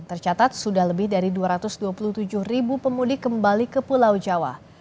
tercatat sudah lebih dari dua ratus dua puluh tujuh ribu pemudik kembali ke pulau jawa